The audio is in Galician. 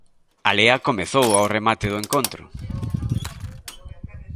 A lea comezou ao remate do encontro.